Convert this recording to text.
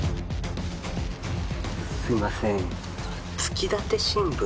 すみません。